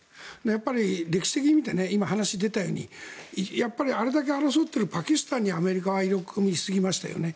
やっぱり歴史的に見て今、話に出ていたようにあれだけ争っているパキスタンにアメリカは入れ込みすぎましたよね。